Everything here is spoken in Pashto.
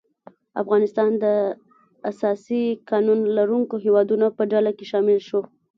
افغانستان د اساسي قانون لرونکو هیوادو په ډله کې شامل شو.